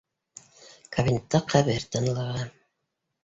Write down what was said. — Кабинетта ҡәбер тынлығы